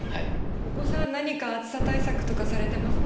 お子さんは何か暑さ対策とかされてますか。